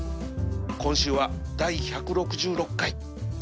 今週は第１６６回天皇賞